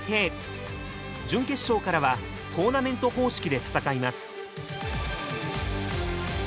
準決勝からはトーナメント方式で戦います。